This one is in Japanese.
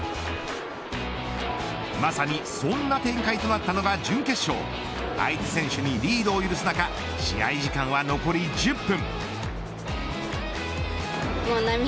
まさにそんな展開となったのが準決勝相手選手にリードを許す中試合時間は残り１０分。